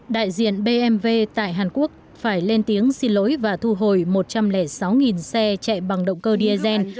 đại diện bmv tại hàn quốc phải lên tiếng xin lỗi và thu hồi một trăm linh sáu xe chạy bằng động cơ diesel